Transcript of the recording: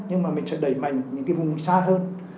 nhưng mình sẽ đẩy mạnh những vùng xa hơn